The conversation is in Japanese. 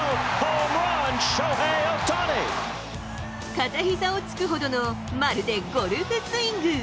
片ひざをつくほどのまるでゴルフスイング。